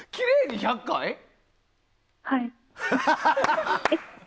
はい。